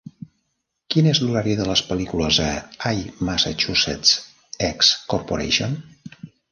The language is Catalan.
quin és l'horari de les pel·lícules a IMassachusettsX Corporation